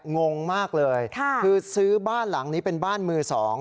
งงมากเลยคือซื้อบ้านหลังนี้เป็นบ้านมือสอง